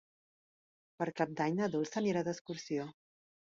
Per Cap d'Any na Dolça anirà d'excursió.